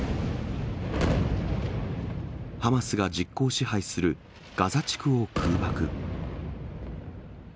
ハマスが実効支配するガザ地区を空爆。